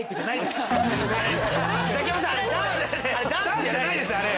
ダンスじゃないですあれ！